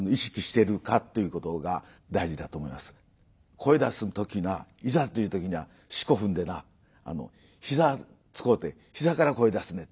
「声出す時ないざという時には四股踏んでなひざ使うてひざから声出すねん」